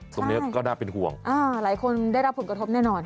ตรงนี้ก็น่าเป็นห่วงหลายคนได้รับผลกระทบแน่นอน